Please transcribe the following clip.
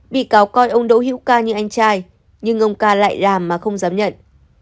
bị cáo coi ông đỗ hữu ca như anh trai nhưng ông ca lại làm mà không dám nhận